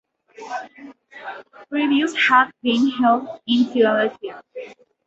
Previews had been held in Philadelphia.